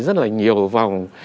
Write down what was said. rất là nhiều vòng